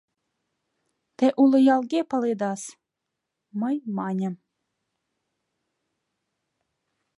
— Те уло ялге паледас... — мый маньым.